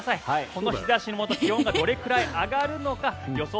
この日差しのもと気温がどれくらい上がるのか予想